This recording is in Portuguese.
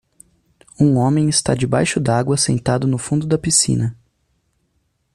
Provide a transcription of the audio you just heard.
um homem está debaixo d'água sentado no fundo da piscina